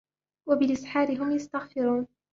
وبالأسحار هم يستغفرون